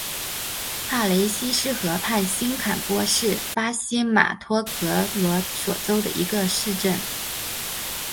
帕雷西斯河畔新坎波是巴西马托格罗索州的一个市镇。